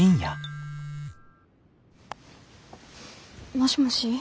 もしもし。